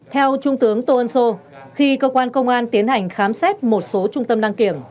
theo trung tướng tô ân sô khi cơ quan công an tiến hành khám xét một số trung tâm đăng kiểm